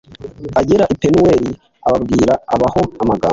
agera i Penuweli a abwira abaho amagambo